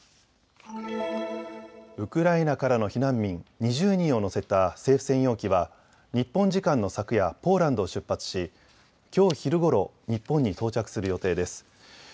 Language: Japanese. ウクライナからの避難民、２０人を乗せた政府専用機は日本時間の昨夜ポーランドを出発しきょう昼ごろ日本に到着する予定です。